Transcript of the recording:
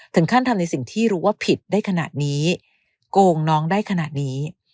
ทำในสิ่งที่รู้ว่าผิดได้ขนาดนี้โกงน้องได้ขนาดนี้